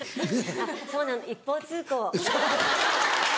あっそうなの一方通行。